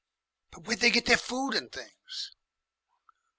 "But where'd they get their food and things?"